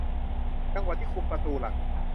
จังหวัดที่คุมประตูหลัก